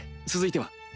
続いては？